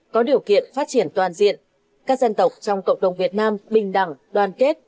có điều kiện phát triển toàn diện các dân tộc trong cộng đồng việt nam bình đẳng đoàn kết